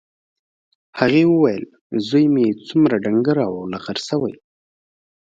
هغې وویل چې زوی مې څومره ډنګر او لاغر شوی دی